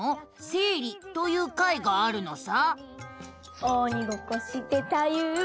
生理」という回があるのさ。